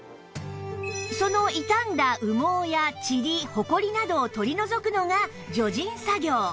その傷んだ羽毛やチリホコリなどを取り除くのが除塵作業